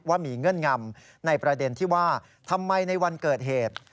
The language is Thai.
ว่ามีเงื่อนงำในประเด็นที่ว่าทำไมในวันเกิดเหตุ